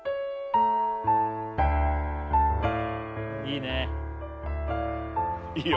いいねいいよ